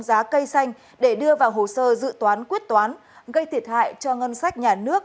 giá cây xanh để đưa vào hồ sơ dự toán quyết toán gây thiệt hại cho ngân sách nhà nước